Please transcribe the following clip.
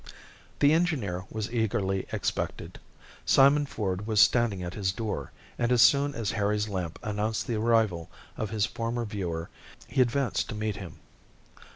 The engineer was eagerly expected. Simon Ford was standing at his door, and as soon as Harry's lamp announced the arrival of his former viewer he advanced to meet him.